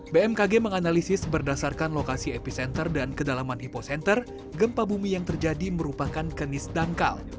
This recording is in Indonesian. bmkg menganalisis berdasarkan lokasi epicenter dan kedalaman hipocenter gempa bumi yang terjadi merupakan kenis dangkal